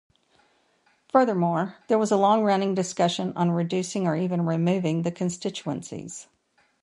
Furthermore, there was a long-running discussion on reducing or even removing the constituencies.